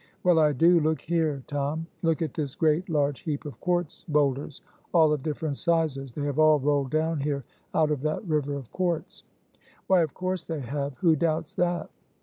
"Well, I do. Look here, Tom! look at this great large heap of quartz bowlders, all of different sizes; they have all rolled down here out of that river of quartz." "Why, of course they have! who doubts that?"